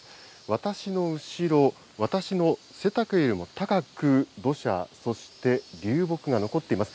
私の後ろ、私の背丈よりも高く、土砂、そして流木が残っています。